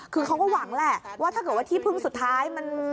คือเขาก็หวังแหละว่าถ้าเกิดว่าที่พึ่งสุดท้ายมัน